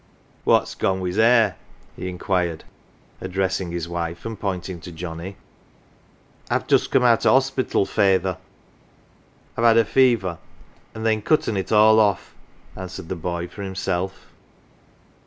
" What's gone wi' 's hair ?" he inquired, addressing his wife, and pointing to Johnnie. " I've just come out o' hospital, feyther ; IVe had a fever, an' they'n cutt'n it all off," answered the boy for himself.